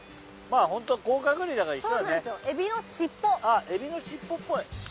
ああエビの尻尾っぽい！